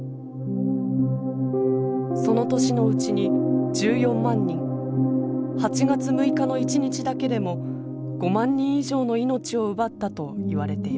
その年のうちに１４万人８月６日の一日だけでも５万人以上の命を奪ったといわれています。